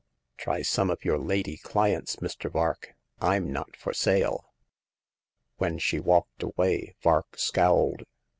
Try some of your lady clients, Mr. Vark. Fmnot for sale !" When she walked away Vark scowled.